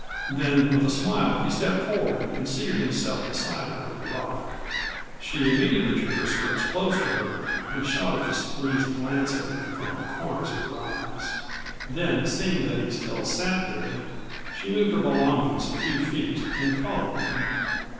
Then with a smile he stepped forward and seated himself beside her on the rock. She immediately drew her skirts close to her and shot a displeased glance at him from the corners of her eyes. Then seeing that he still sat there, she moved her belongings a few feet and followed them.